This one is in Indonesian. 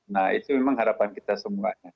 nah itu memang harapan kita semuanya